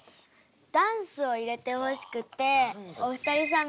ダンスを入れてほしくてお二人さん